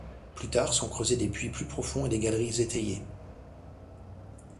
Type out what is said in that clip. Plus tard, sont creusés des puits plus profonds et des galeries étayées.